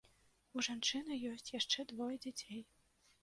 У жанчыны ёсць яшчэ двое дзяцей.